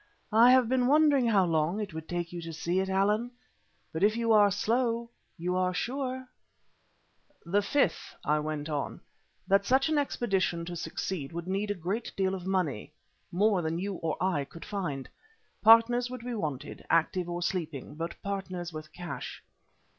I have been wondering how long it would take you to see it, Allan, but if you are slow, you are sure." "The fifth is," I went on, "that such an expedition to succeed would need a great deal of money, more than you or I could find. Partners would be wanted, active or sleeping, but partners with cash."